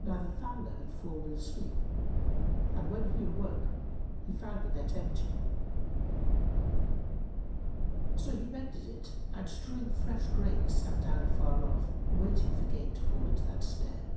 Now the fowler had fallen asleep and, when he awoke, he found the net empty; so he mended it and strewing fresh grain sat down afar off, waiting for game to fall into that snare.